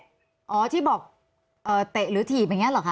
เขาก็บอกเตะหรือถีบอย่างนั้นหรอกคะ